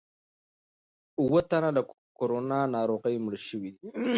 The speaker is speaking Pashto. اووه تنه له کورونا ناروغۍ مړه شوي دي.